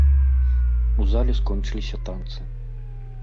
У зале скончыліся танцы.